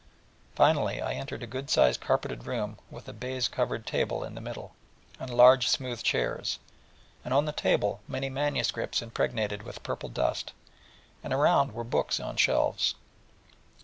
Finally, I entered a good sized carpeted room with a baize covered table in the middle, and large smooth chairs, and on the table many manuscripts impregnated with purple dust, and around were books in shelves.